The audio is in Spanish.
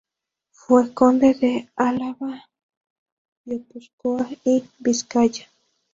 Fue conde de Álava, Guipúzcoa y Vizcaya.